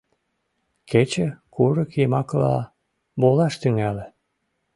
Кече курык йымакыла волаш тӱҥале.